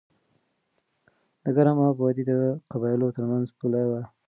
د ګرم آب وادي د قبایلو ترمنځ پوله وه.